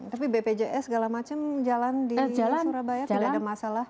tapi bpjs segala macam jalan di surabaya tidak ada masalah